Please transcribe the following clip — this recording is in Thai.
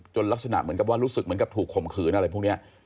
ลักษณะเหมือนกับว่ารู้สึกเหมือนกับถูกข่มขืนอะไรพวกนี้